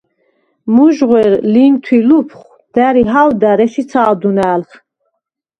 მუჟღუ̂ერ, ლინთუ̂ ი ლუფხუ̂ და̈რ ი ჰაუ̂და̈რ ეშ იცა̄დუნა̄̈ლხ.